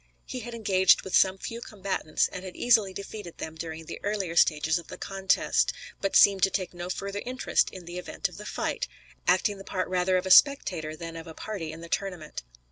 He had engaged with some few combatants, and had easily defeated them during the earlier stages of the contest, but seemed to take no further interest in the event of the fight, acting the part rather of a spectator than of a party in the tournament.